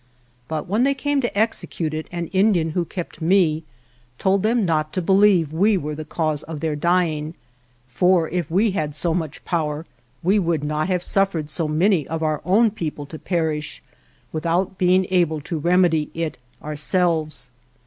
But when they came to execute it an Indian who kept me told them not to believe we were the cause of their dying, for if we had so much power we would not have suffered so many of our own people to perish without being able to remedy it ourselves.